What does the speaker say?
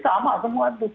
sama semua itu